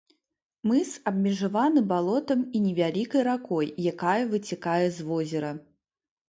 Мыс абмежаваны балотам і невялікай ракой, якая выцякае з возера.